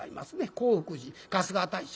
興福寺春日大社。